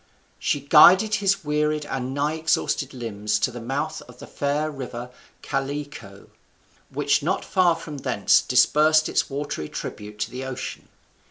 She guided his wearied and nigh exhausted limbs to the mouth of the fair river Callicoe, which not far from thence disbursed its watery tribute to the ocean.